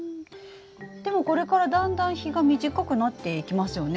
でもこれからだんだん日が短くなっていきますよね。